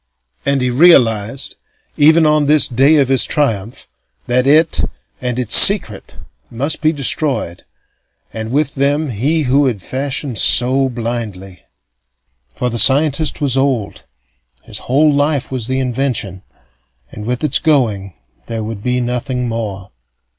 And he realized even on this day of his triumph that it and its secret must be destroyed, and with them he who had fashioned so blindly. For the scientist was old, his whole life was the invention, and with its going there would be nothing more.